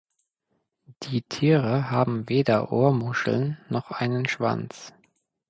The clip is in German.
Die Tiere haben weder Ohrmuscheln noch einen Schwanz.